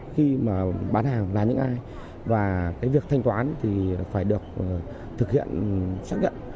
khi mà bán hàng là những ai và cái việc thanh toán thì phải được thực hiện xác nhận